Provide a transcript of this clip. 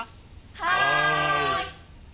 はい！